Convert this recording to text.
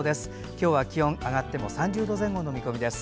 今日は気温上がっても３０度前後の見込みです。